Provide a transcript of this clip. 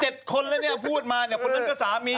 คนแล้วเนี่ยพูดมาเนี่ยคนนั้นก็สามี